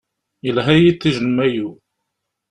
Yelha yiṭij n mayu.